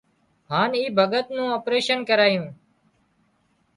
هانَ اِي ڀڳت نُون اپريشين ڪرايون